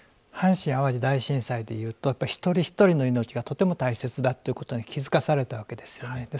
阪神・淡路大震災でいうとやっぱり一人一人の命がとても大切だということに気付かされたわけですよね。